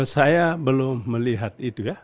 saya belum melihat itu